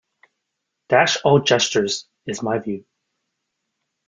Dash all gestures, is my view.